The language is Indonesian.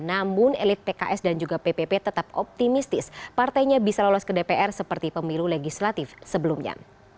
namun elit pks dan juga ppp tetap optimistis partainya bisa lolos ke dpr seperti pemilu legislatif sebelumnya